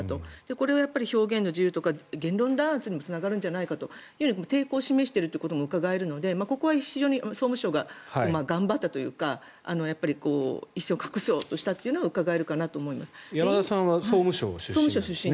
これは表現の自由とか言論弾圧につながるんじゃないかという抵抗を示しているんじゃないかとうかがえるのでここは非常に総務省が頑張ったというか一線を画そうとしたのが山田さんは総務省出身。